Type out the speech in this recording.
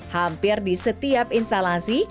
hampir di setiap instalansi